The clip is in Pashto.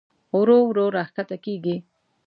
ورو ورو راښکته کېږي.